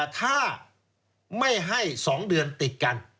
ถ้าไม่ให้๒เดือนติดกัน